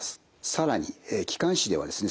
更に気管支ではですね